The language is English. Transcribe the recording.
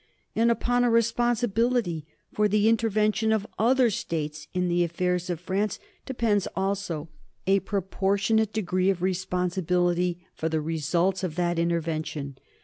And upon a responsibility for the intervention of other States in the affairs of France depends also a proportionate degree of responsibility for the results of that intervention.